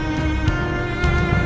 berarti itu pak